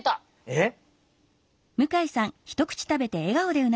えっ？